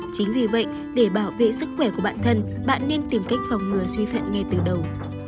chính vì vậy để bảo vệ sức khỏe của bản thân bạn nên tìm cách phòng ngừa suy thận ngay từ đầu